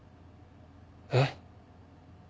えっ？